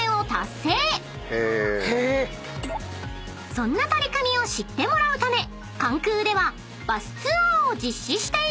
［そんな取り組みを知ってもらうため関空ではバスツアーを実施しているのですが］